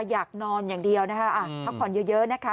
อยากนอนอย่างเดียวนะคะพักผ่อนเยอะนะคะ